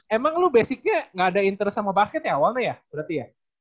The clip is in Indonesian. emang lu basicnya nggak ada interest sama basket yang awalnya ya berarti ya